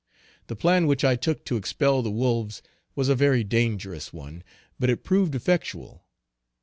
The plan which I took to expel the wolves was a very dangerous one, but it proved effectual.